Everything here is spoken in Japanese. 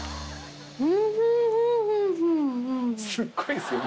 すっごいですよね。